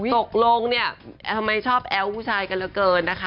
ตกลงเนี่ยทำไมชอบแอ้วผู้ชายกันเหลือเกินนะคะ